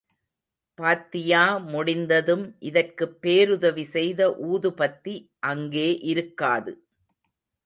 பாத்தியா முடிந்ததும் இதற்குப் பேருதவி செய்த ஊதுபத்தி அங்கே இருக்காது.